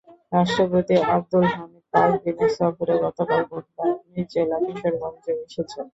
রাষ্ট্রপতি আবদুল হামিদ পাঁচ দিনের সফরে গতকাল বুধবার নিজ জেলা কিশোরগঞ্জে এসেছেন।